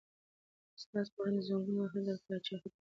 د استاد په وړاندې زنګون وهل د پاچاهۍ د تخت تر لاسه کول دي.